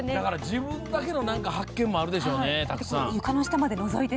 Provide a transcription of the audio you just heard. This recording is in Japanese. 自分だけの発見もあるでしょうね。